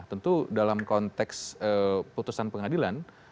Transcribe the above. tentu dalam konteks putusan pengadilan